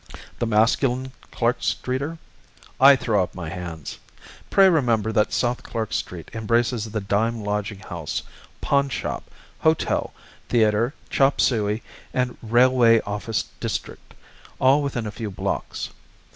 The masculine Clark Streeter? I throw up my hands. Pray remember that South Clark Street embraces the dime lodging house, pawnshop, hotel, theater, chop suey and railway office district, all within a few blocks.